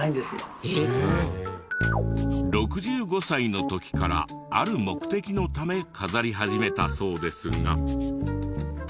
６５歳の時からある目的のため飾り始めたそうですが。